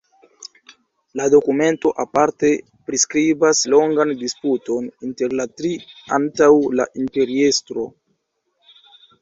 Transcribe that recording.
La dokumento aparte priskribas longan disputon inter la tri antaŭ la imperiestro.